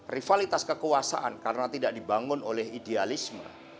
rivalitas kekuasaan karena tidak dibangun oleh idealisme